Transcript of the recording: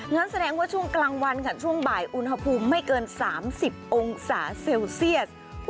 งั้นแสดงว่าช่วงกลางวันค่ะช่วงบ่ายอุณหภูมิไม่เกิน๓๐องศาเซลเซียส